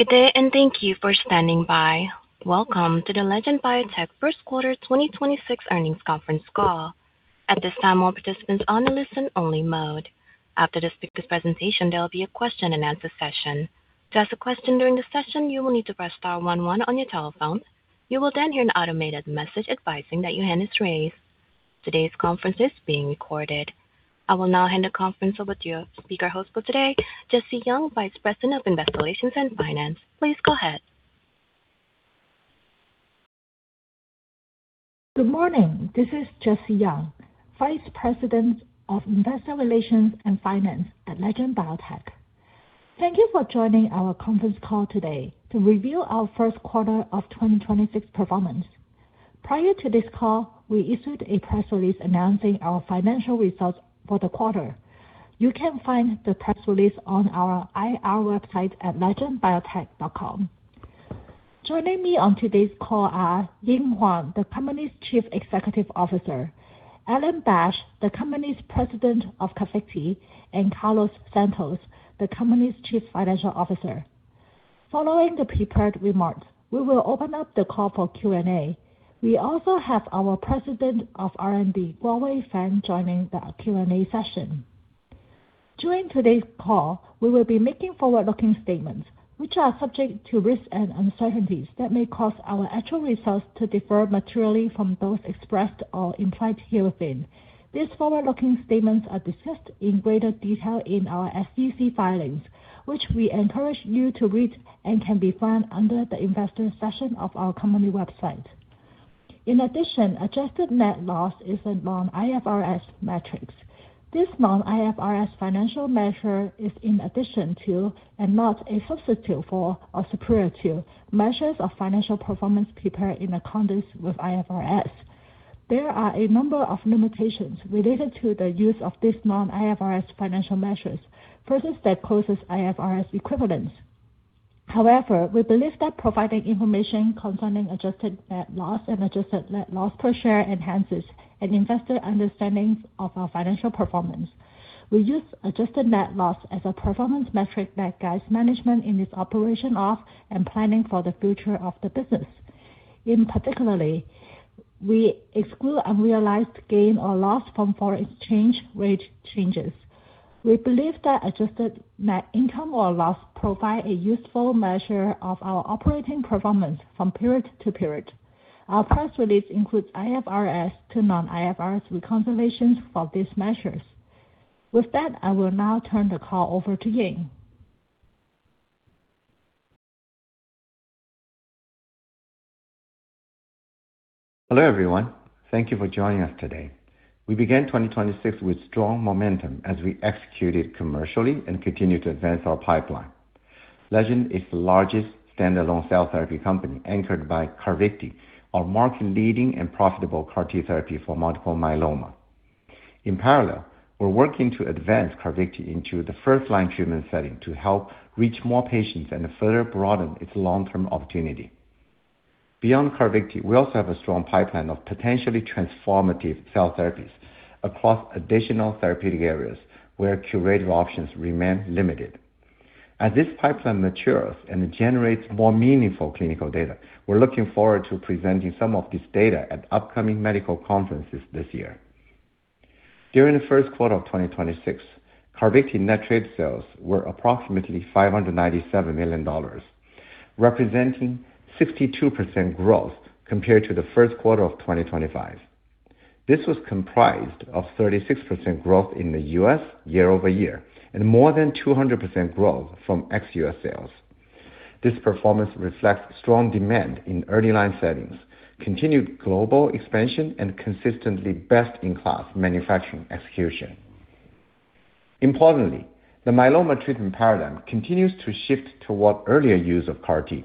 Good day, and thank you for standing by. Welcome to the Legend Biotech first quarter 2026 earnings conference call. At this time, all participants on a listen-only mode. After the speaker's presentation, there will be a question-and-answer session. To ask a question during the session, you will need to press star one one on your telephone. You will then hear an automated message advising that your hand is raised. Today's conference is being recorded. I will now hand the conference over to your speaker host for today, Jessie Yeung, Vice President of Investor Relations and Finance. Please go ahead. Good morning. This is Jessie Yeung, Vice President of Investor Relations and Finance at Legend Biotech. Thank you for joining our conference call today to review our first quarter of 2026 performance. Prior to this call, we issued a press release announcing our financial results for the quarter. You can find the press release on our IR website at legendbiotech.com. Joining me on today's call are Ying Huang, the company's Chief Executive Officer; Alan Bash, the company's President of CARVYKTI; and Carlos Santos, the company's Chief Financial Officer. Following the prepared remarks, we will open up the call for Q&A. We also have our President of R&D, Guowei Fang, joining the Q&A session. During today's call, we will be making forward-looking statements, which are subject to risks and uncertainties that may cause our actual results to differ materially from those expressed or implied herein. These forward-looking statements are discussed in greater detail in our SEC filings, which we encourage you to read and can be found under the Investor section of our company website. In addition, adjusted net loss is a non-IFRS metrics. This non-IFRS financial measure is in addition to, and not a substitute for or superior to, measures of financial performance prepared in accordance with IFRS. There are a number of limitations related to the use of this non-IFRS financial measures versus their closest IFRS equivalents. However, we believe that providing information concerning adjusted net loss and adjusted net loss per share enhances an investor understanding of our financial performance. We use adjusted net loss as a performance metric that guides management in its operation of and planning for the future of the business. In particularly, we exclude unrealized gain or loss from foreign exchange rate changes. We believe that adjusted net income or loss provide a useful measure of our operating performance from period to period. Our press release includes IFRS to non-IFRS reconciliations for these measures. With that, I will now turn the call over to Ying. Hello, everyone. Thank you for joining us today. We began 2026 with strong momentum as we executed commercially and continued to advance our pipeline. Legend is the largest standalone cell therapy company anchored by CARVYKTI, our market-leading and profitable CAR-T therapy for multiple myeloma. In parallel, we're working to advance CARVYKTI into the first-line treatment setting to help reach more patients and further broaden its long-term opportunity. Beyond CARVYKTI, we also have a strong pipeline of potentially transformative cell therapies across additional therapeutic areas where curative options remain limited. As this pipeline matures and it generates more meaningful clinical data, we're looking forward to presenting some of this data at upcoming medical conferences this year. During the first quarter of 2026, CARVYKTI net trade sales were approximately $597 million, representing 62% growth compared to the first quarter of 2025. This was comprised of 36% growth in the U.S. year-over-year and more than 200% growth from ex-U.S. sales. This performance reflects strong demand in earlier-line settings, continued global expansion, and consistently best-in-class manufacturing execution. Importantly, the myeloma treatment paradigm continues to shift toward earlier use of CAR-T.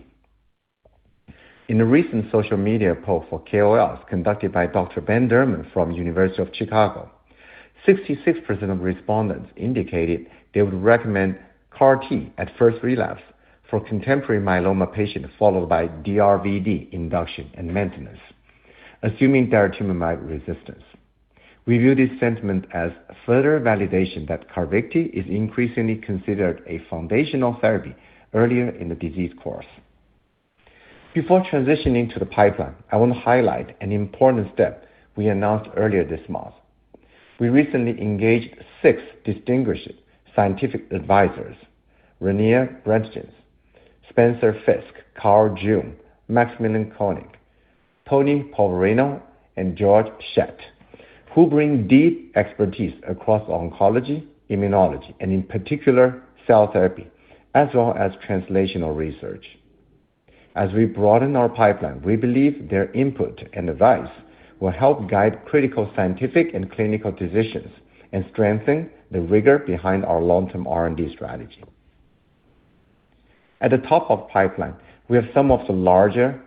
In a recent social media poll for KOLs conducted by Dr. Ben Derman from University of Chicago, 66% of respondents indicated they would recommend CAR-T at first relapse for contemporary myeloma patient followed by DVRd induction and maintenance, assuming daratumumab resistance. We view this sentiment as further validation that CARVYKTI is increasingly considered a foundational therapy earlier in the disease course. Before transitioning to the pipeline, I want to highlight an important step we announced earlier this month. We recently engaged 6 distinguished scientific advisors, Renier Brentjens, Spencer Fisk, Carl June, Maximilian F. Konig, Anthony Polverino, and Georg Schett, who bring deep expertise across oncology, immunology, and in particular, cell therapy, as well as translational research. As we broaden our pipeline, we believe their input and advice will help guide critical scientific and clinical decisions and strengthen the rigor behind our long-term R&D strategy. At the top of pipeline, we have some of the larger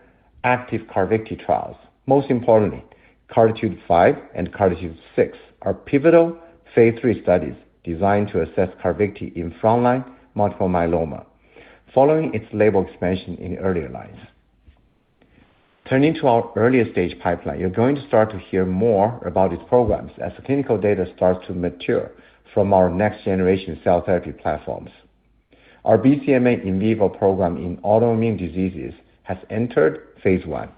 active CARVYKTI trials. Most importantly, CARTITUDE-5 and CARTITUDE-6 are pivotal phase III studies designed to assess CARVYKTI in frontline multiple myeloma following its label expansion in earlier-lines. turning to our earlier stage pipeline, you're going to start to hear more about these programs as the clinical data starts to mature from our next-generation cell therapy platforms. Our BCMA in vivo program in autoimmune diseases has entered phase I.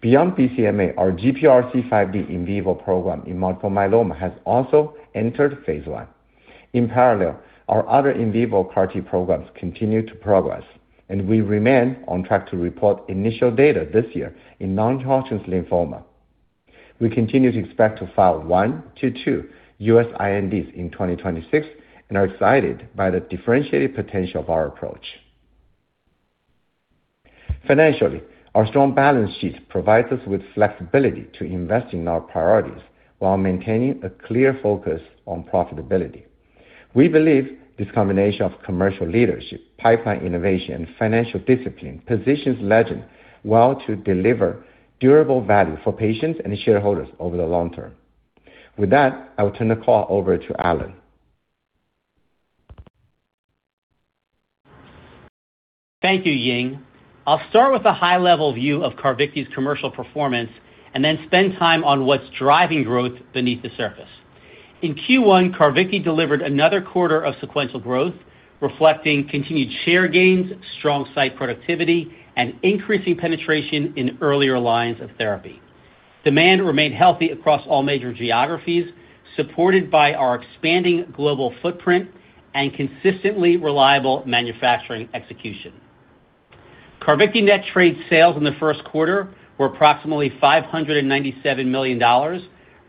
Beyond BCMA, our GPRC5D in vivo program in multiple myeloma has also entered phase I. In parallel, our other in vivo CAR-T programs continue to progress, and we remain on track to report initial data this year in non-Hodgkin's lymphoma. We continue to expect to file 1 to 2 U.S. INDs in 2026 and are excited by the differentiated potential of our approach. Financially, our strong balance sheet provides us with flexibility to invest in our priorities while maintaining a clear focus on profitability. We believe this combination of commercial leadership, pipeline innovation, and financial discipline positions Legend well to deliver durable value for patients and shareholders over the long term. With that, I will turn the call over to Alan. Thank you, Ying. I'll start with a high-level view of CARVYKTI's commercial performance and then spend time on what's driving growth beneath the surface. In Q1, CARVYKTI delivered another quarter of sequential growth, reflecting continued share gains, strong site productivity, and increasing penetration in earlier-lines of therapy. Demand remained healthy across all major geographies, supported by our expanding global footprint and consistently reliable manufacturing execution. CARVYKTI net trade sales in the first quarter were approximately $597 million,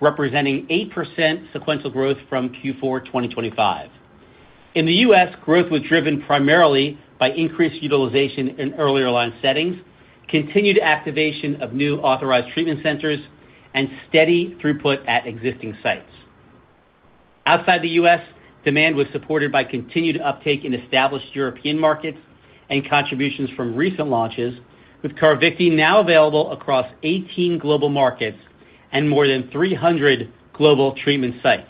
representing 8% sequential growth from Q4 2025. In the U.S., growth was driven primarily by increased utilization in earlier-line settings, continued activation of new authorized treatment centers, and steady throughput at existing sites. Outside the U.S., demand was supported by continued uptake in established European markets and contributions from recent launches, with CARVYKTI now available across 18 global markets and more than 300 global treatment sites.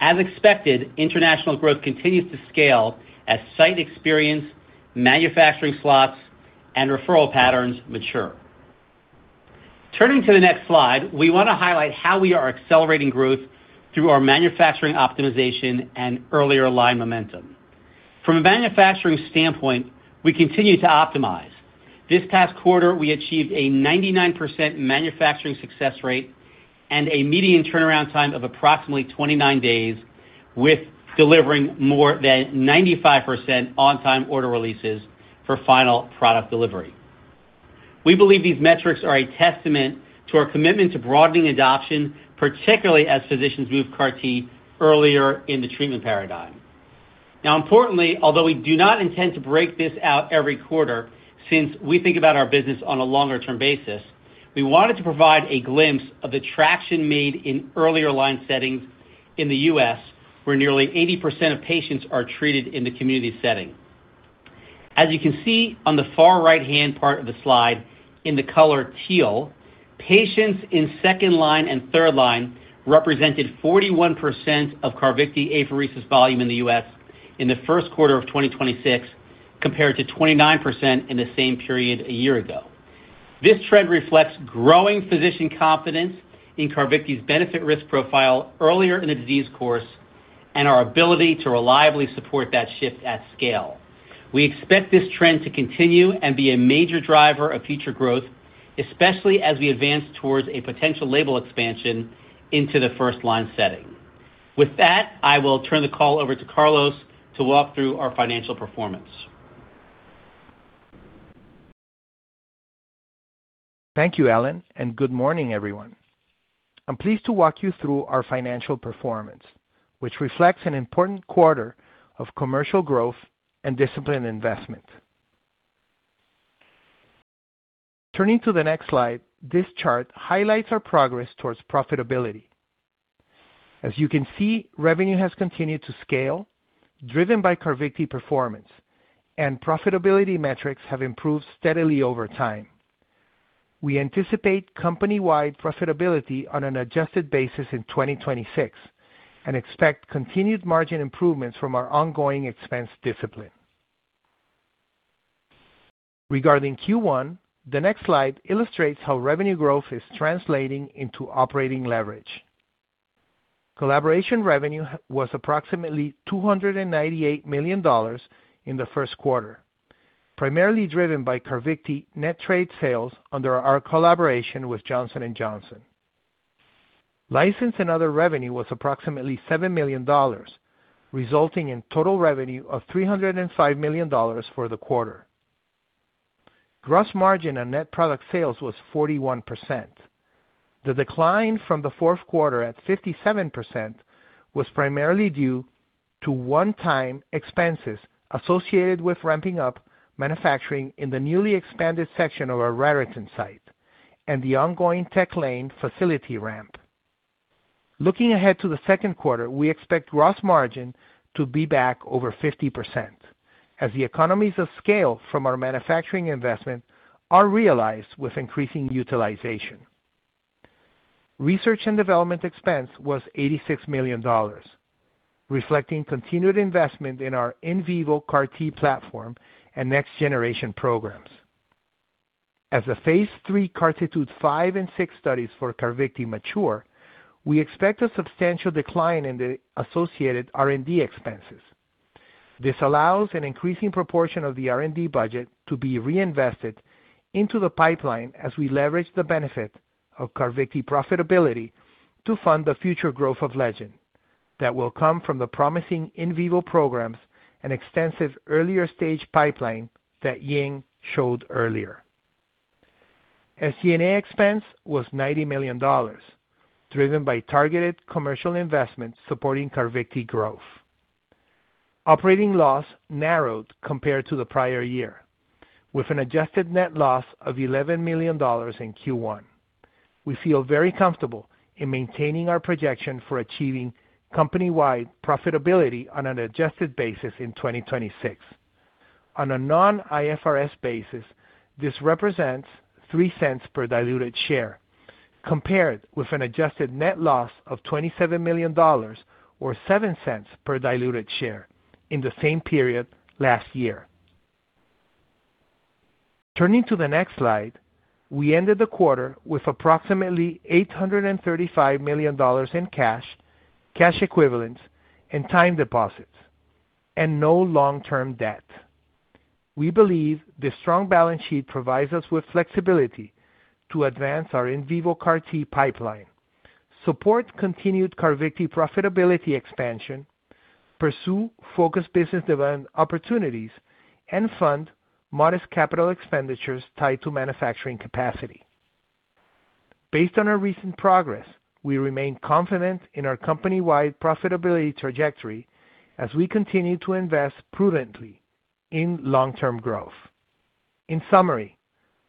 As expected, international growth continues to scale as site experience, manufacturing slots, and referral patterns mature. Turning to the next slide, we want to highlight how we are accelerating growth through our manufacturing optimization and earlier-line momentum. From a manufacturing standpoint, we continue to optimize. This past quarter, we achieved a 99% manufacturing success rate and a median turnaround time of approximately 29 days with delivering more than 95% on-time order releases for final product delivery. We believe these metrics are a testament to our commitment to broadening adoption, particularly as physicians move CAR-T earlier in the treatment paradigm. Importantly, although we do not intend to break this out every quarter since we think about our business on a longer-term basis, we wanted to provide a glimpse of the traction made in earlier-line settings in the U.S., where nearly 80% of patients are treated in the community setting. As you can see on the far right-hand part of the slide in the color teal, patients in second line and third line represented 41% of CARVYKTI apheresis volume in the U.S. in the first quarter of 2026, compared to 29% in the same period a year ago. This trend reflects growing physician confidence in CARVYKTI's benefit risk profile earlier in the disease course and our ability to reliably support that shift at scale. We expect this trend to continue and be a major driver of future growth, especially as we advance towards a potential label expansion into the first line setting. With that, I will turn the call over to Carlos to walk through our financial performance. Thank you, Alan, and good morning, everyone. I'm pleased to walk you through our financial performance, which reflects an important quarter of commercial growth and disciplined investment. Turning to the next slide, this chart highlights our progress towards profitability. As you can see, revenue has continued to scale, driven by CARVYKTI performance, and profitability metrics have improved steadily over time. We anticipate company-wide profitability on an adjusted basis in 2026 and expect continued margin improvements from our ongoing expense discipline. Regarding Q1, the next slide illustrates how revenue growth is translating into operating leverage. Collaboration revenue was approximately $298 million in the first quarter, primarily driven by CARVYKTI net trade sales under our collaboration with Johnson & Johnson. License and other revenue was approximately $7 million, resulting in total revenue of $305 million for the quarter. Gross margin on net product sales was 41%. The decline from the fourth quarter at 57% was primarily due to one-time expenses associated with ramping up manufacturing in the newly expanded section of our Raritan site and the ongoing Tech Lane facility ramp. Looking ahead to the second quarter, we expect gross margin to be back over 50% as the economies of scale from our manufacturing investment are realized with increasing utilization. Research and development expense was $86 million, reflecting continued investment in our in vivo CAR-T platform and next-generation programs. As the phase III CARTITUDE-5 and CARTITUDE-6 studies for CARVYKTI mature, we expect a substantial decline in the associated R&D expenses. This allows an increasing proportion of the R&D budget to be reinvested into the pipeline as we leverage the benefit of CARVYKTI profitability to fund the future growth of Legend that will come from the promising in vivo programs and extensive earlier stage pipeline that Ying showed earlier. SG&A expense was $90 million, driven by targeted commercial investments supporting CARVYKTI growth. Operating loss narrowed compared to the prior year, with an adjusted net loss of $11 million in Q1. We feel very comfortable in maintaining our projection for achieving company-wide profitability on an adjusted basis in 2026. On a non-IFRS basis, this represents $0.03 per diluted share, compared with an adjusted net loss of $27 million or $0.07 per diluted share in the same period last year. Turning to the next slide, we ended the quarter with approximately $835 million in cash, cash equivalents, and time deposits, and no long-term debt. We believe this strong balance sheet provides us with flexibility to advance our in vivo CAR-T pipeline, support continued CARVYKTI profitability expansion, pursue focused business development opportunities, and fund modest capital expenditures tied to manufacturing capacity. Based on our recent progress, we remain confident in our company-wide profitability trajectory as we continue to invest prudently in long-term growth. In summary,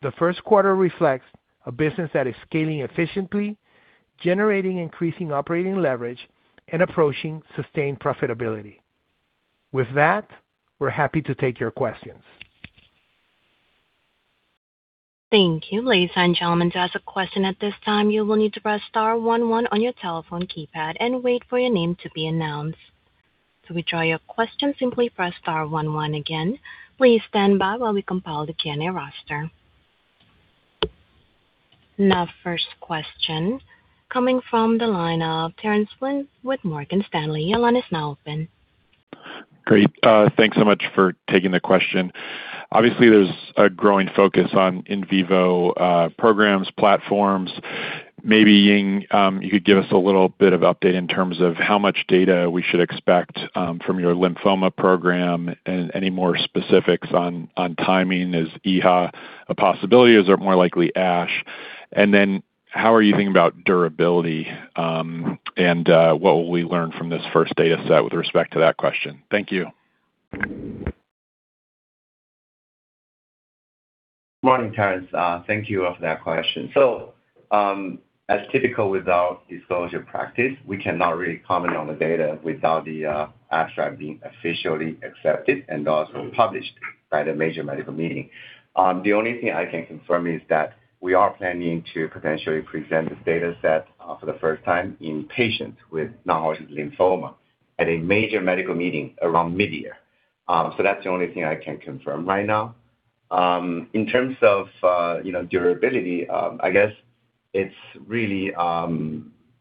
the first quarter reflects a business that is scaling efficiently, generating increasing operating leverage, and approaching sustained profitability. With that, we're happy to take your questions. First question coming from the line of Terence Flynn with Morgan Stanley. Your line is now open. Great. Thanks so much for taking the question. Obviously, there's a growing focus on in vivo programs, platforms. Maybe, Ying, you could give us a little bit of update in terms of how much data we should expect from your lymphoma program and any more specifics on timing. Is EHA a possibility, or is it more likely ASH? How are you thinking about durability, and what will we learn from this first data set with respect to that question? Thank you. Morning, Terence. Thank you for that question. As typical with our disclosure practice, we cannot really comment on the data without the abstract being officially accepted and also published by the major medical meeting. The only thing I can confirm is that we are planning to potentially present this data set for the first time in patient with non-Hodgkin lymphoma at a major medical meeting around mid-year. That's the only thing I can confirm right now. In terms of, you know, durability, I guess it's really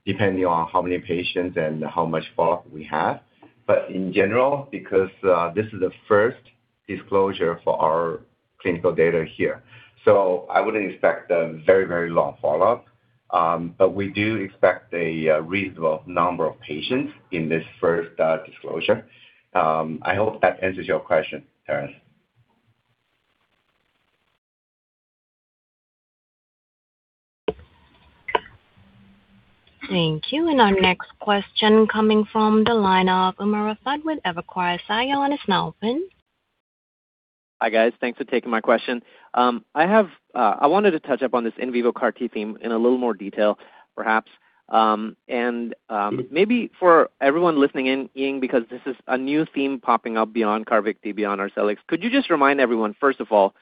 depending on how many patients and how much follow-up we have. In general, because this is the first disclosure for our clinical data here, I wouldn't expect a very, very long follow-up. We do expect a reasonable number of patients in this first disclosure. I hope that answers your question, Terence. Thank you. Our next question coming from the line of Umer Raffat with Evercore ISI. Your line is now open. Hi, guys. Thanks for taking my question. I wanted to touch up on this in vivo CAR-T theme in a little more detail, perhaps. Maybe for everyone listening in, Ying, because this is a new theme popping up beyond CARVYKTI, beyond Arcellx, could you just remind everyone, first of all,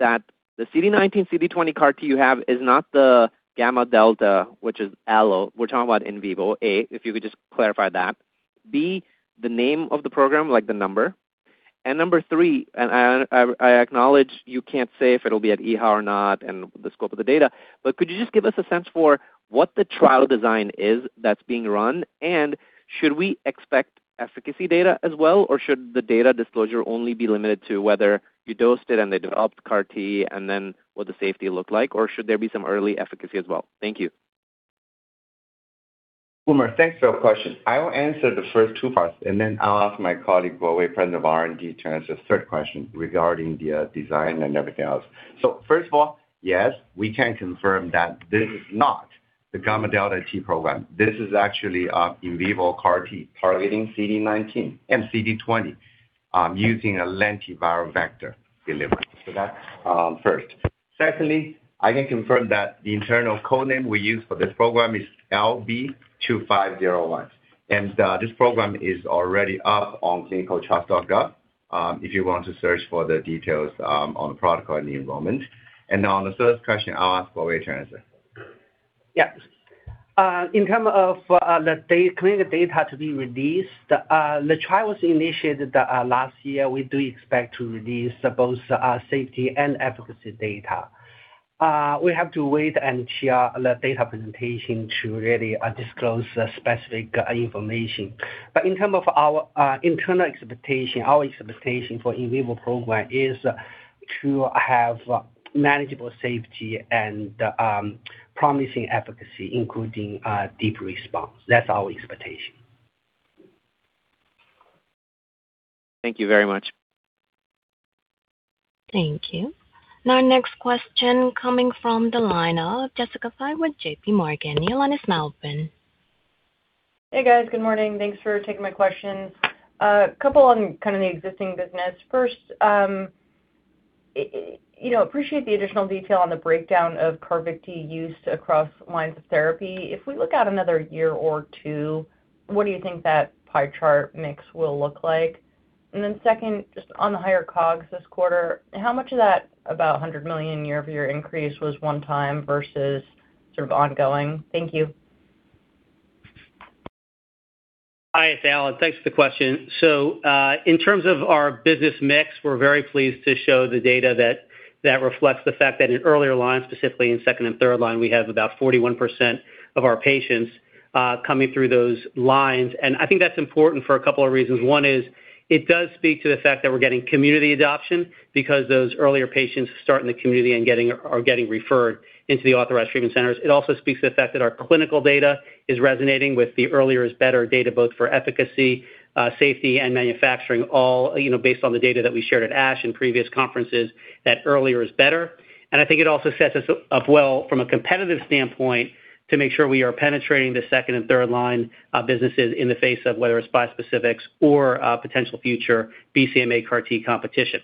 that the CD19, CD20 CAR-T you have is not the gamma delta, which is allo. We're talking about in vivo, A, if you could just clarify that. B, the name of the program, like the number. Number 3, I acknowledge you can't say if it'll be at EHA or not and the scope of the data, but could you just give us a sense for what the trial design is that's being run? Should we expect efficacy data as well, or should the data disclosure only be limited to whether you dosed it and they developed CAR-T, and then what the safety looked like? Should there be some early efficacy as well? Thank you. Umer, thanks for your question. I will answer the first two parts, then I'll ask my colleague, Guowei, President of R&D, to answer the third question regarding the design and everything else. First of all, yes, we can confirm that this is not the gamma delta T program. This is actually in vivo CAR-T targeting CD19 and CD20, using a lentiviral vector delivery. That's first. Secondly, I can confirm that the internal codename we use for this program is LB2501. This program is already up on ClinicalTrials.gov. If you want to search for the details on the protocol and the enrollment. On the third question, I'll ask Wei to answer. Yes. In terms of clinical data to be released, the trial was initiated last year. We do expect to release both safety and efficacy data. We have to wait and share the data presentation to really disclose specific information. In terms of our internal expectation, our expectation for in vivo program is to have manageable safety and promising efficacy, including deep response. That's our expectation. Thank you very much. Thank you. Our next question coming from the line of Jessica Fye with JPMorgan. Your line is now open. Hey, guys. Good morning. Thanks for taking my questions. A couple on kind of the existing business. First, you know, appreciate the additional detail on the breakdown of CARVYKTI used across lines of therapy. If we look out another year or two, what do you think that pie chart mix will look like? Second, just on the higher COGS this quarter, how much of that about $100 million year-over-year increase was one-time versus sort of ongoing? Thank you. Hi, it's Alan. Thanks for the question. In terms of our business mix, we're very pleased to show the data that reflects the fact that in earlier-lines, specifically in second and third line, we have about 41% of our patients coming through those lines. I think that's important for a couple of reasons. One is it does speak to the fact that we're getting community adoption because those earlier patients start in the community and are getting referred into the authorized treatment centers. It also speaks to the fact that our clinical data is resonating with the earlier is better data both for efficacy, safety, and manufacturing, all, you know, based on the data that we shared at ASH and previous conferences that earlier is better. I think it also sets us up well from a competitive standpoint to make sure we are penetrating the second and third line businesses in the face of whether it's bispecifics or potential future BCMA CAR-T competition.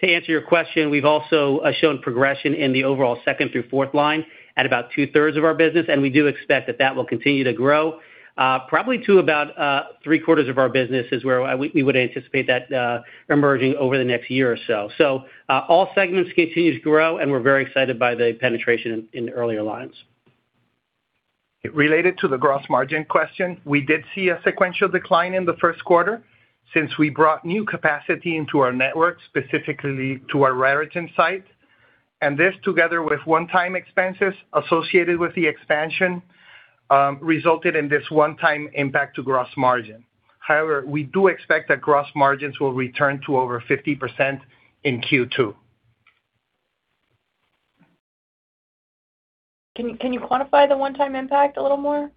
To answer your question, we've also shown progression in the overall second through fourth line at about 2/3 of our business, and we do expect that that will continue to grow, probably to about 3/4 of our business is where we would anticipate that emerging over the next year or so. All segments continue to grow, and we're very excited by the penetration in the earlier-lines. Related to the gross margin question, we did see a sequential decline in the first quarter since we brought new capacity into our network, specifically to our Raritan site. This, together with one-time expenses associated with the expansion, resulted in this one-time impact to gross margin. However, we do expect that gross margins will return to over 50% in Q2. Can you quantify the one-time impact a little more?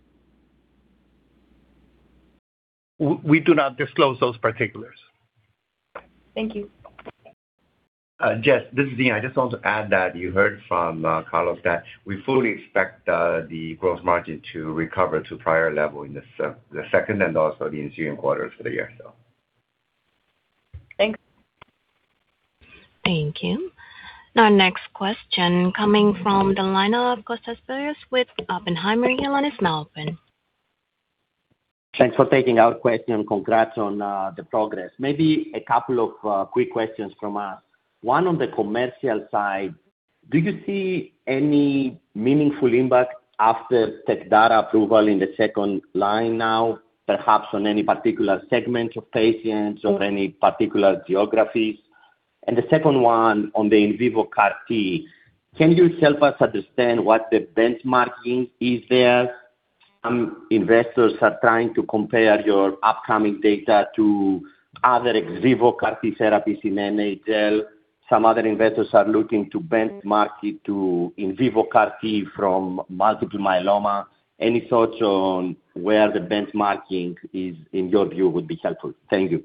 We do not disclose those particulars. Thank you. Jess, this is Ying. I just want to add that you heard from Carlos that we fully expect the gross margin to recover to prior level in the second and also the ensuing quarters for the year. Thanks. Thank you. Our next question coming from the line of Kostas Biliouris with Oppenheimer. Thanks for taking our question. Congrats on the progress. Maybe a couple of quick questions from us. One on the commercial side, do you see any meaningful impact after TECVAYLI approval in the second line now, perhaps on any particular segments of patients or any particular geographies? The second one on the in vivo CAR-T, can you help us understand what the benchmarking is there? Some investors are trying to compare your upcoming data to other ex vivo CAR-T therapies in NHL. Some other investors are looking to benchmark it to in vivo CAR-T from multiple myeloma. Any thoughts on where the benchmarking is in your view would be helpful. Thank you.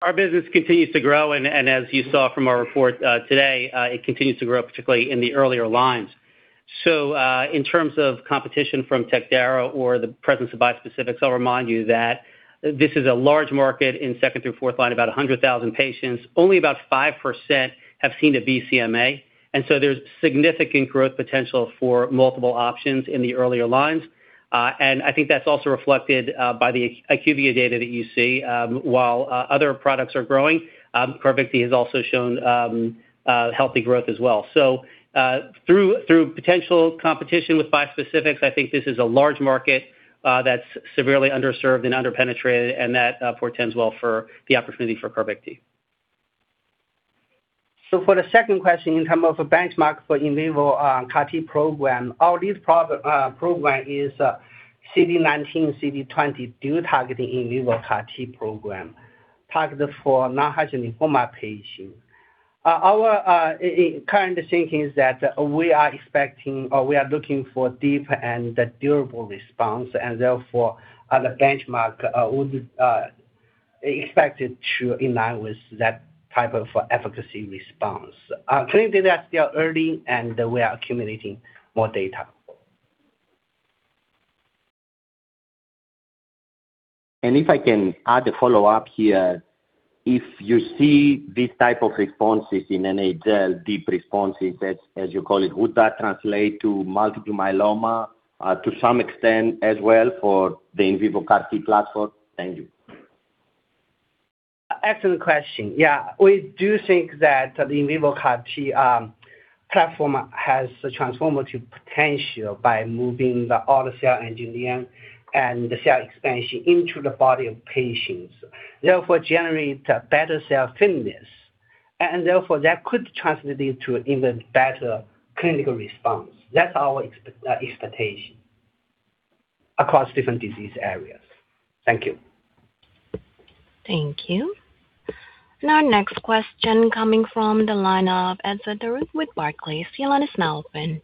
Our business continues to grow, as you saw from our report today, it continues to grow, particularly in the earlier-lines. In terms of competition from TECVAYLI or the presence of bispecifics, I'll remind you that this is a large market in second through fourth line, about 100,000 patients. Only about 5% have seen a BCMA, there's significant growth potential for multiple options in the earlier-lines. I think that's also reflected by the IQVIA data that you see. While other products are growing, CARVYKTI has also shown healthy growth as well. Through potential competition with bispecifics, I think this is a large market that's severely underserved and under-penetrated, that portends well for the opportunity for CARVYKTI. For the second question, in term of a benchmark for in vivo CAR-T program, our lead program is CD19, CD20 dual targeting in vivo CAR-T program targeted for non-Hodgkin's lymphoma patient. Our current thinking is that we are expecting or we are looking for deep and durable response, and therefore, the benchmark would expected to align with that type of efficacy response. Currently that's still early, and we are accumulating more data. If I can add a follow-up here. If you see these type of responses in NHL, deep responses as you call it, would that translate to multiple myeloma to some extent as well for the in vivo CAR-T platform? Thank you. Excellent question. We do think that in vivo CAR-T platform has the transformative potential by moving all the cell engineering and the cell expansion into the body of patients, therefore generate a better cell fitness. Therefore, that could translate into even better clinical response. That's our expectation across different disease areas. Thank you. Thank you. Our next question coming from the line of Etzer Darout with Barclays. Your line is now open.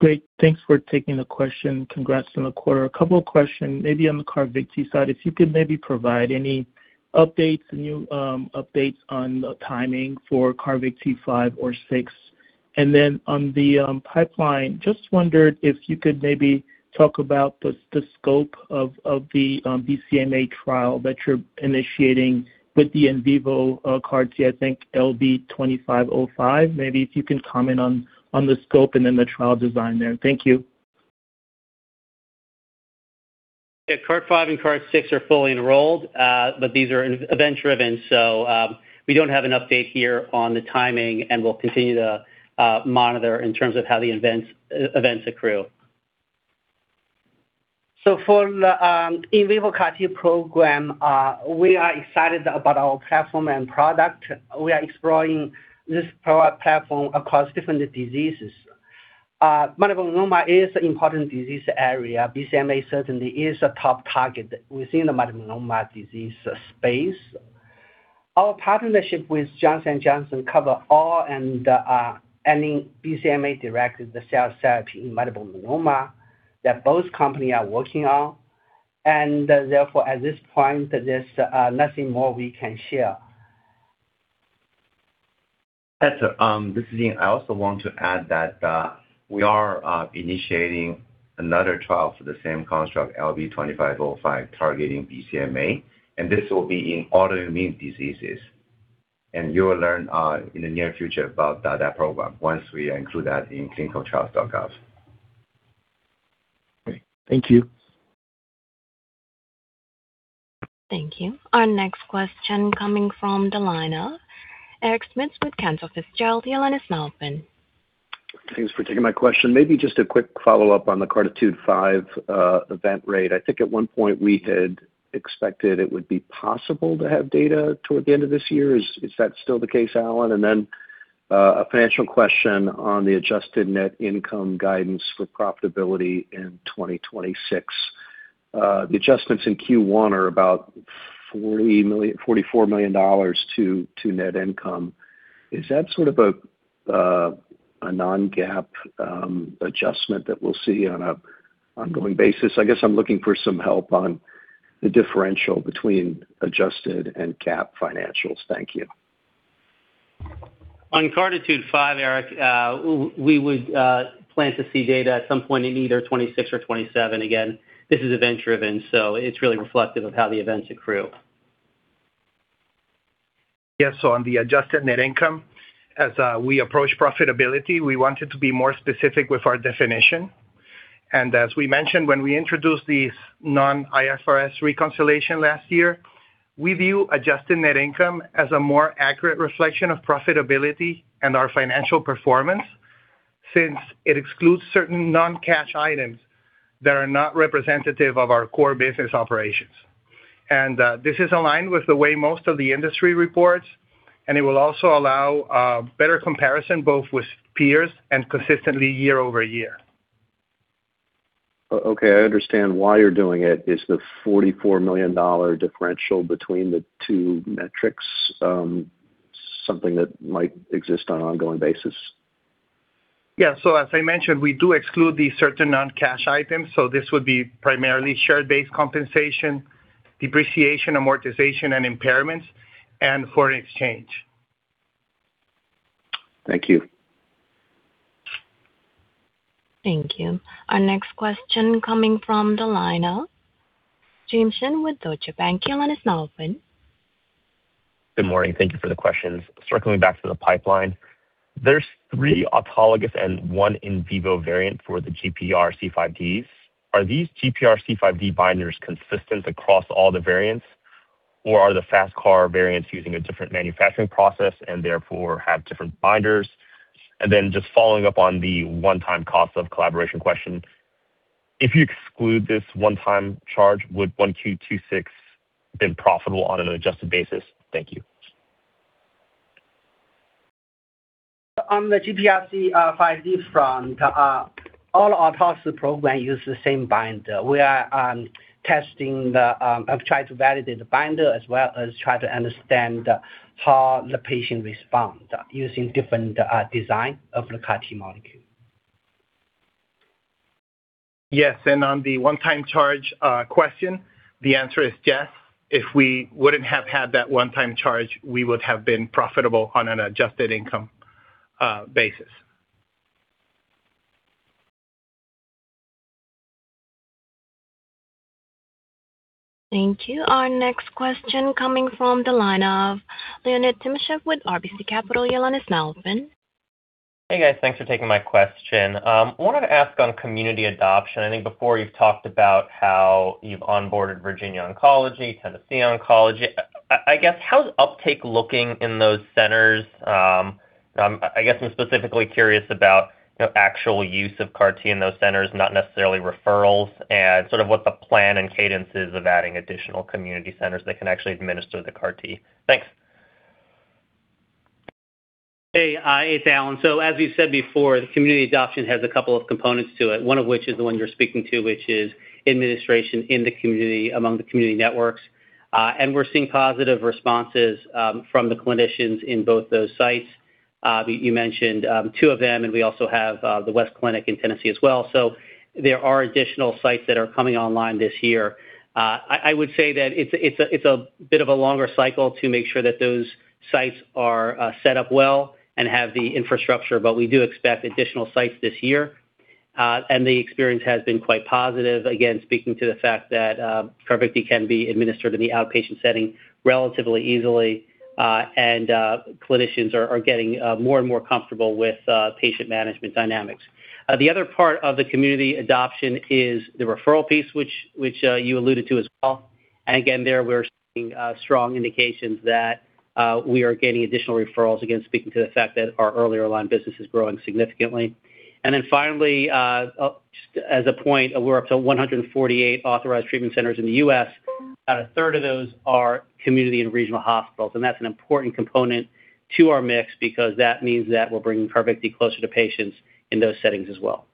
Great. Thanks for taking the question. Congrats on the quarter. A couple of questions, maybe on the CARVYKTI side, if you could maybe provide any updates, new updates on the timing for CARVYKTI 5 or 6. On the pipeline, just wondered if you could maybe talk about the scope of the BCMA trial that you're initiating with the in vivo CAR-T, I think LB2505. Maybe if you can comment on the scope and the trial design there. Thank you. Yeah. CARTITUDE-5 and CARTITUDE-6 are fully enrolled, but these are event driven, so we don't have an update here on the timing, and we'll continue to monitor in terms of how the events accrue. For the in vivo CAR-T program, we are excited about our platform and product. We are exploring this product platform across different diseases. Multiple myeloma is important disease area. BCMA certainly is a top target within the multiple myeloma disease space. Our partnership with Johnson & Johnson cover all and any BCMA-directed cell therapy in multiple myeloma that both company are working on. Therefore, at this point, there's nothing more we can share. Etzer, this is Ying. I also want to add that we are initiating another trial for the same construct, LB2505, targeting BCMA, and this will be in autoimmune diseases. You will learn in the near future about that program once we include that in ClinicalTrials.gov. Great. Thank you. Thank you. Our next question coming from the line of Eric Schmidt with Cantor Fitzgerald. Your line is now open. Thanks for taking my question. Maybe just a quick follow-up on the CARTITUDE-5 event rate. I think at one point we had expected it would be possible to have data toward the end of this year. Is that still the case, Alan? Then a financial question on the adjusted net income guidance for profitability in 2026. The adjustments in Q1 are about $40 million, $44 million to net income. Is that sort of a non-GAAP adjustment that we'll see on an ongoing basis? I guess I'm looking for some help on the differential between adjusted and GAAP financials. Thank you. On CARTITUDE-5, Eric, we would plan to see data at some point in either 2026 or 2027. Again, this is event-driven, so it's really reflective of how the events accrue. Yes. On the adjusted net income, as we approach profitability, we wanted to be more specific with our definition. As we mentioned when we introduced the non-IFRS reconciliation last year, we view adjusted net income as a more accurate reflection of profitability and our financial performance since it excludes certain non-cash items that are not representative of our core business operations. This is aligned with the way most of the industry reports, and it will also allow better comparison both with peers and consistently year-over-year. Okay, I understand why you're doing it. Is the $44 million differential between the two metrics something that might exist on an ongoing basis? Yeah. As I mentioned, we do exclude the certain non-cash items, so this would be primarily share-based compensation, depreciation, amortization, and impairments, and foreign exchange. Thank you. Thank you. Our next question coming from the line of James Shin with Deutsche Bank. Your line is now open. Good morning. Thank you for the questions. Circling back to the pipeline, there's three autologous and one in vivo variant for the GPRC5Ds. Are these GPRC5D binders consistent across all the variants, or are the FAST CAR variants using a different manufacturing process and therefore have different binders? Then just following up on the one-time cost of collaboration question, if you exclude this one-time charge, would 1Q 2026 been profitable on an adjusted basis? Thank you. On the GPRC5D front, all autologous program use the same binder. We are testing the, have tried to validate the binder as well as try to understand how the patient respond using different, design of the CAR-T molecule. Yes. On the one-time charge, question, the answer is yes. If we wouldn't have had that one-time charge, we would have been profitable on an adjusted income basis. Thank you. Our next question coming from the line of Leonid Timashev with RBC Capital Markets. Your line is now open. Hey, guys. Thanks for taking my question. Wanted to ask on community adoption. I think before you've talked about how you've onboarded Virginia Oncology, Tennessee Oncology. I guess, how's uptake looking in those centers? I guess I'm specifically curious about the actual use of CAR-T in those centers, not necessarily referrals, and sort of what the plan and cadence is of adding additional community centers that can actually administer the CAR-T. Thanks. Hey, it's Alan. As we've said before, the community adoption has 2 components to it, one of which is the one you're speaking to, which is administration in the community among the community networks. We're seeing positive responses from the clinicians in both those sites. You mentioned 2 of them, we also have the West Cancer Center in Tennessee as well. There are additional sites that are coming online this year. I would say that it's a bit of a longer cycle to make sure that those sites are set up well and have the infrastructure, but we do expect additional sites this year. The experience has been quite positive. Again, speaking to the fact that CAR-T can be administered in the outpatient setting relatively easily, and clinicians are getting more and more comfortable with patient management dynamics. The other part of the community adoption is the referral piece, which you alluded to as well. Again, there we're seeing strong indications that we are getting additional referrals, again, speaking to the fact that our earlier-line business is growing significantly. Then finally, just as a point, we're up to 148 authorized treatment centers in the U.S. About a third of those are community and regional hospitals, and that's an important component to our mix because that means that we're bringing CARVYKTI closer to patients in those settings as well.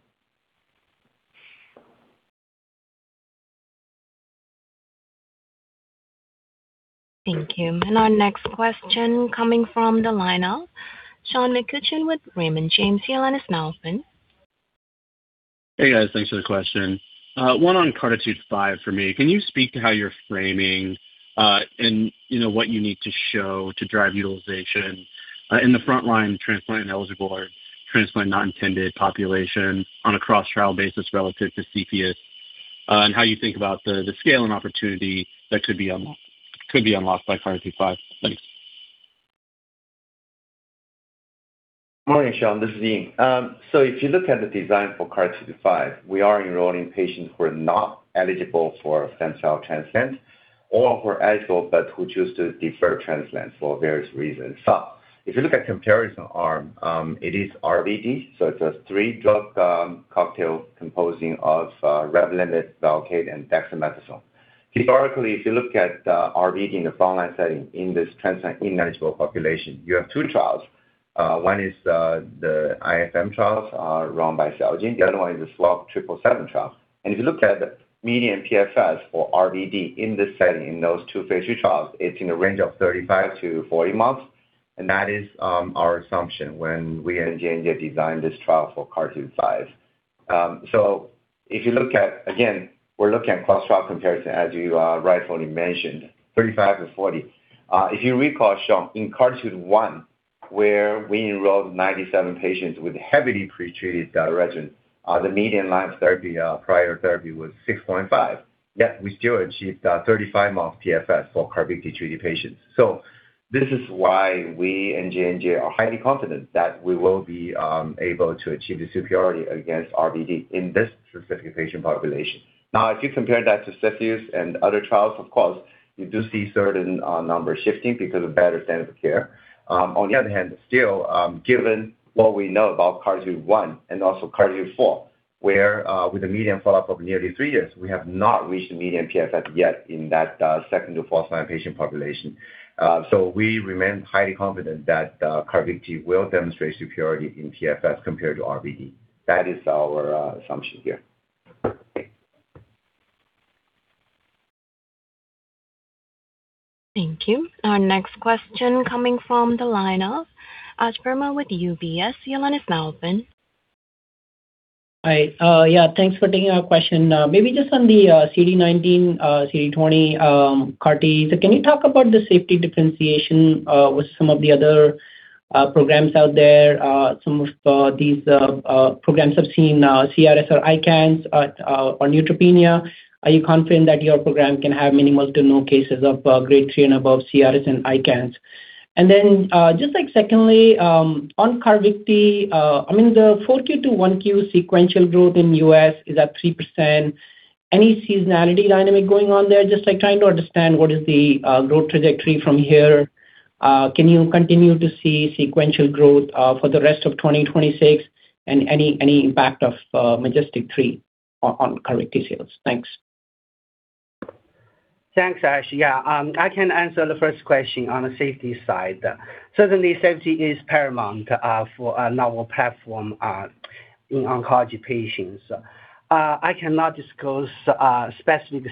Thank you. Our next question coming from the line of Sean McCutcheon with Raymond James. Your line is now open. Hey, guys. Thanks for the question. One on CARTITUDE-5 for me. Can you speak to how you're framing, and you know, what you need to show to drive utilization in the frontline transplant-eligible or transplant-not-intended population on a cross-trial basis relative to CEPHEUS, and how you think about the scale and opportunity that could be unlocked by CARTITUDE-5? Thanks. Morning, Sean. This is Ying. If you look at the design for CARTITUDE-5, we are enrolling patients who are not eligible for stem cell transplant or who are eligible but who choose to defer transplant for various reasons. If you look at comparison arm, it is RVd, it's a three-drug cocktail composing of REVLIMID, Velcade and dexamethasone. Historically, if you look at RVd in the frontline setting in this transplant ineligible population, you have two trials. One is the IFM trials, run by Celgene. The other one is the SWOG S0777 trial. If you look at the median PFS for RVd in this setting in those two phase II trials, it's in the range of 35 months-40 months. That is our assumption when we at J&J designed this trial for CARTITUDE-5. Again, we're looking at cross-trial comparison, as you rightfully mentioned, 35 months-40 months. If you recall, Sean, in CARTITUDE-1, where we enrolled 97 patients with heavily pretreated regimen, the median line of therapy, prior therapy was 6.5, yet we still achieved 35 month PFS for CARVYKTI treated patients. This is why we and J&J are highly confident that we will be able to achieve the superiority against RVd in this specific patient population. If you compare that to CEPHEUS and other trials, of course, you do see certain numbers shifting because of better standard of care. On the other hand, still, given what we know about CARTITUDE-1 and also CARTITUDE-4, where, with a median follow-up of nearly 3 years, we have not reached median PFS yet in that, second to fourth line patient population. We remain highly confident that CARVYKTI will demonstrate superiority in PFS compared to RVd. That is our assumption here. Thank you. Our next question coming from the line of Ashwani Verma with UBS. Your line is now open. Hi. Thanks for taking our question. Maybe just on the CD19, CD20 CAR-T. Can you talk about the safety differentiation with some of the other programs out there? Some of these programs have seen CRS or ICANS or neutropenia. Are you confident that your program can have minimal to no cases of Grade 3 and above CRS and ICANS? Then, just like secondly, on CARVYKTI, I mean, the 4Q to 1Q sequential growth in U.S. is at 3%. Any seasonality dynamic going on there? Just like trying to understand what is the growth trajectory from here. Can you continue to see sequential growth for the rest of 2026 and any impact of MajesTEC-3 on CARVYKTI sales? Thanks. Thanks, Ash. Yeah. I can answer the first question on the safety side. Certainly, safety is paramount for a novel platform in oncology patients. I cannot disclose specific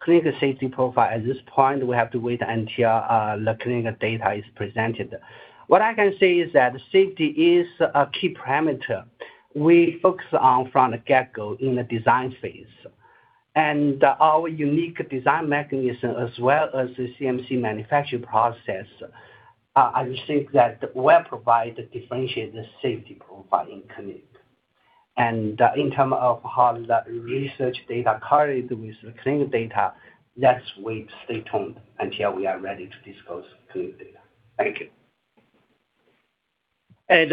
clinical safety profile at this point. We have to wait until the clinical data is presented. What I can say is that safety is a key parameter we focus on from the get-go in the design phase. Our unique design mechanism as well as the CMC manufacturing process, I think that will provide differentiate the safety profile in clinic. In term of how the research data correlates with the clinical data, let's wait, stay tuned until we are ready to disclose clinical data. Thank you.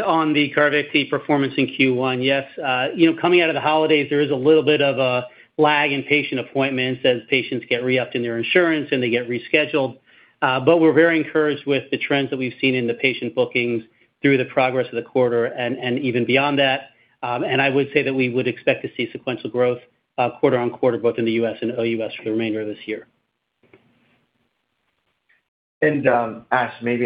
On the CARVYKTI performance in Q1, yes, you know, coming out of the holidays there is a little bit of a lag in patient appointments as patients get re-upped in their insurance and they get rescheduled. We're very encouraged with the trends that we've seen in the patient bookings through the progress of the quarter and even beyond that. I would say that we would expect to see sequential growth, quarter-on-quarter both in the U.S. and O.U.S. for the remainder of this year. Ash, maybe,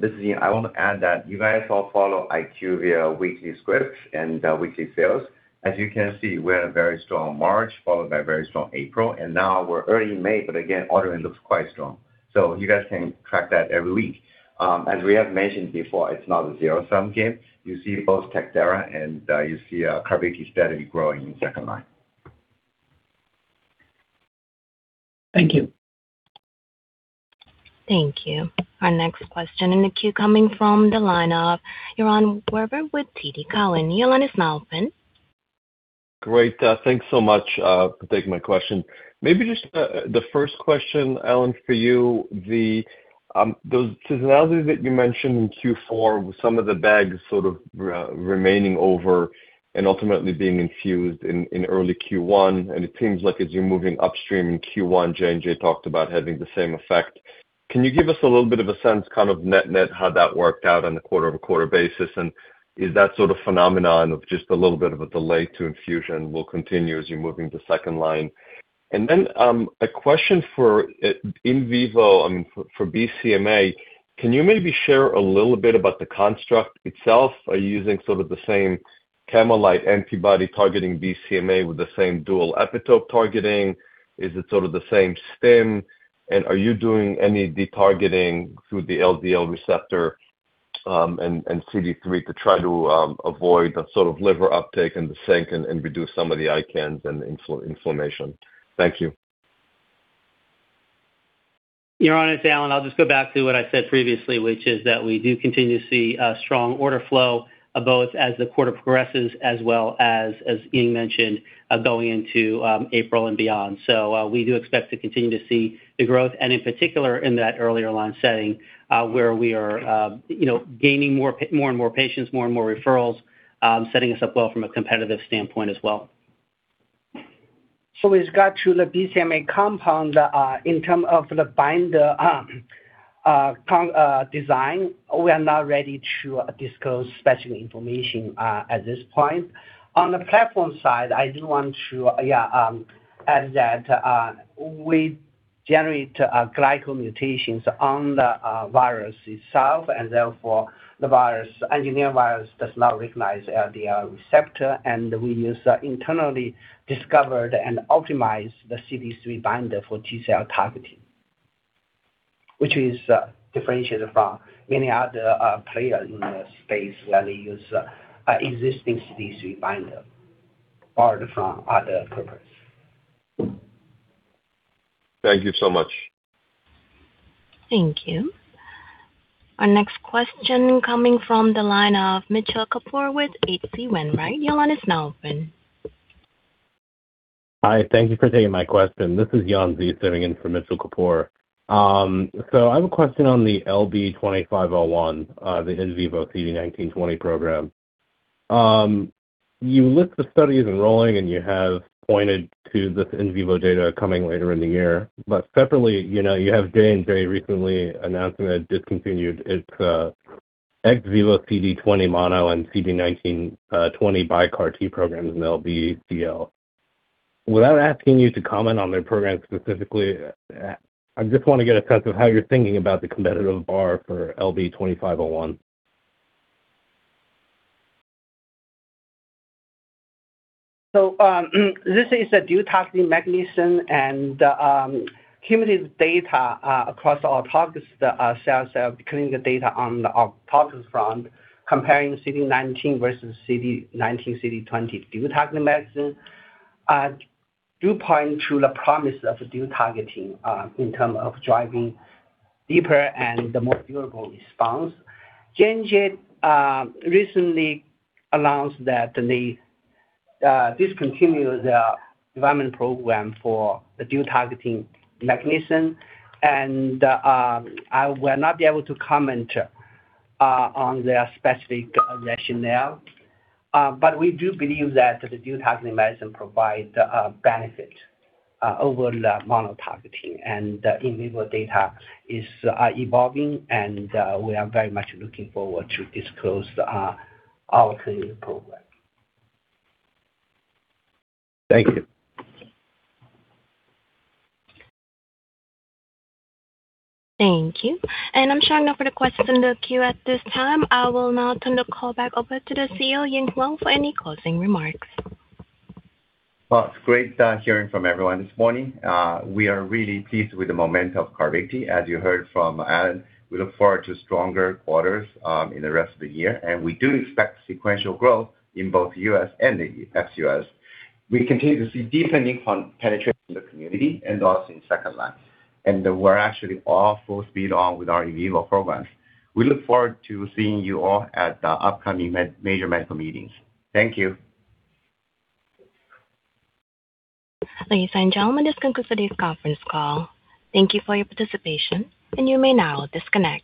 this is Ying. I want to add that you guys all follow IQVIA weekly scripts and weekly sales. As you can see, we had a very strong March followed by a very strong April. Now we're early in May, but again, ordering looks quite strong. You guys can track that every week. As we have mentioned before, it's not a zero-sum game. You see both TECVAYLI and daratumumab and you see CARVYKTI steadily growing in second-line. Thank you. Thank you. Our next question in the queue coming from the line of Yaron Werber with TD Cowen. Yaron, it's now open. Great. Thanks so much for taking my question. Maybe just the first question, Alan, for you, the those seasonality that you mentioned in Q4 with some of the bags sort of remaining over and ultimately being infused in early Q1, and it seems like as you're moving upstream in Q1, J&J talked about having the same effect. Can you give us a little bit of a sense, kind of net-net, how that worked out on a quarter-over-quarter basis? Is that sort of phenomenon of just a little bit of a delay to infusion will continue as you're moving to second line? A question for in vivo for BCMA, can you maybe share a little bit about the construct itself? Are you using sort of the same camelid antibody targeting BCMA with the same dual epitope targeting? Is it sort of the same stem? Are you doing any de-targeting through the LDL receptor and CD3 to try to avoid the sort of liver uptake and the sink and reduce some of the ICANS and inflammation? Thank you. Yaron, it's Alan. I'll just go back to what I said previously, which is that we do continue to see a strong order flow both as the quarter progresses as well as Ying mentioned, going into April and beyond. We do expect to continue to see the growth and in particular in that earlier-line setting, where we are, you know, gaining more and more patients, more and more referrals, setting us up well from a competitive standpoint as well. With regard to the BCMA compound, in term of the binder design, we are not ready to disclose special information at this point. On the platform side, I do want to add that we generate glycoprotein mutations on the virus itself, and therefore the engineered virus does not recognize the receptor. We use internally discovered and optimize the CD3 binder for T-cell targeting, which is differentiated from many other players in the space where they use existing CD3 binder borrowed from other purpose. Thank you so much. Thank you. Our next question coming from the line of Mitchell Kapoor with H.C. Wainwright. Your line is now open. Hi, thank you for taking my question. This is [Andrew Fein] sitting in for Mitchell Kapoor. I have a question on the LB2501, the in vivo CD19/CD20 program. You list the studies enrolling, and you have pointed to this in vivo data coming later in the year. Separately, you know, you have Johnson & Johnson recently announcing it discontinued its ex vivo CD20 mono and CD19, 20 bi-CAR-T programs in LBCL. Without asking you to comment on their program specifically, I just wanna get a sense of how you're thinking about the competitive bar for LB2501. This is a dual targeting mechanism and cumulative data across all target-cells clinical data on the targets front comparing CD19 versus CD19, CD20 dual targeting mechanism do point to the promise of dual targeting in term of driving deeper and the more durable response. J&J recently announced that they discontinued their development program for the dual targeting mechanism, and I will not be able to comment on their specific rationale. But we do believe that the dual targeting mechanism provide benefit over the mono targeting. The in vivo data is evolving and we are very much looking forward to disclose our clinical program. Thank you. Thank you. I'm showing no further questions in the queue at this time. I will now turn the call back over to the CEO, Ying Huang, for any closing remarks. Well, it's great hearing from everyone this morning. We are really pleased with the momentum of CARVYKTI. As you heard from Alan, we look forward to stronger quarters in the rest of the year, and we do expect sequential growth in both U.S. and ex-U.S. We continue to see deepening penetration in the community and also in second line. We're actually all full speed on with our in vivo programs. We look forward to seeing you all at the upcoming major medical meetings. Thank you. Ladies and gentlemen, this concludes today's conference call. Thank you for your participation, and you may now disconnect.